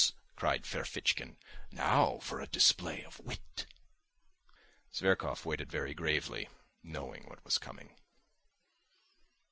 _" cried Ferfitchkin. "Now for a display of wit!" Zverkov waited very gravely, knowing what was coming.